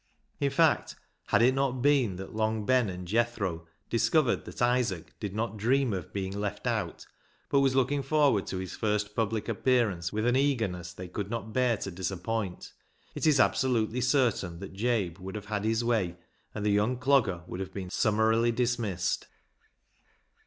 In fact, had it not been that Long Ben and Jethro discovered that 252 BECKSIDE LIGHTS Isaac did not dream of being left out, but was looking forward to his first public appearance with an eagerness they could not bear to dis appoint, it is absolutely certain that Jabe would have had his way and the young dogger would have been summarily dismissed.